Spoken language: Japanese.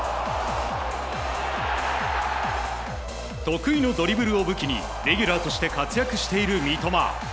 得意のドリブルを武器にレギュラーとして活躍している三笘。